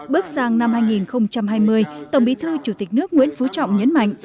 bước sang năm hai nghìn hai mươi tổng bí thư chủ tịch nước nguyễn phú trọng nhấn mạnh